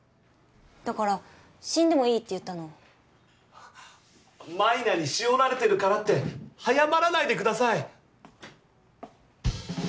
だから死んでもいいって言ったの舞菜に塩られてるからって早まらないでください！